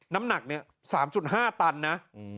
น้ำหนัก๓๕ตันนะ